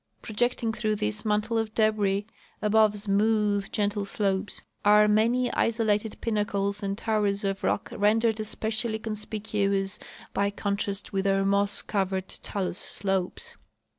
Projecting through this mantle of debris, above smooth gentle slopes, are many isolated pinnacles and toAvers of rock rendered esj)ecially con spicuous hy contrast with their moss covered talus slopes.